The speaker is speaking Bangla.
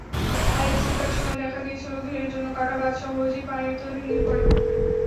আইলা-সিডরের সময় দেখা গিয়েছিল, ঘেরের জন্য কাটা বাঁধ সহজেই পানির তোড়ে ভেঙে পড়ে।